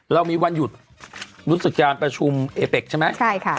เรามีวันหยุดรุศจรรยาประชุมเอเบกใช่ไหมใช่ค่ะ